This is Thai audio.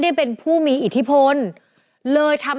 แฮปปี้เบิร์สเจทู